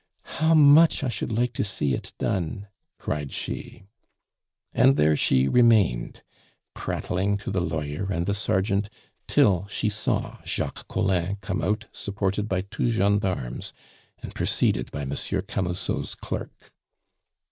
"How much I should like to see it done!" cried she. And there she remained, prattling to the lawyer and the sergeant, till she saw Jacques Collin come out supported by two gendarmes, and preceded by Monsieur Camusot's clerk.